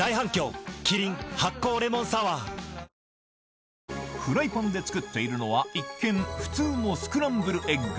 ＪＴフライパンで作っているのは、一見、普通のスクランブルエッグ。